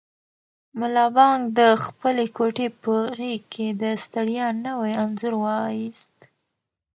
ملا بانګ د خپلې کوټې په غېږ کې د ستړیا نوی انځور وایست.